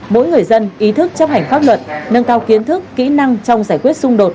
mỗi người dân ý thức chấp hành pháp luật nâng cao kiến thức kỹ năng trong giải quyết xung đột